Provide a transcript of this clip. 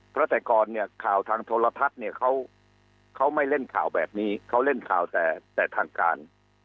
เพราะแต่ก่อนเนี่ยข่าวทางโทรทัศน์เนี่ยเขาไม่เล่นข่าวแบบนี้เขาเล่นข่าวแต่ทางการ